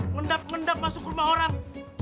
mendap mendap masuk rumah orang